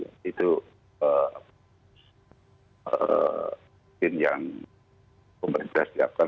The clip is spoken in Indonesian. tapi itu adalah vaksin yang pemerintah siapkan